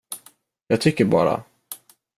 Jag tycker bara.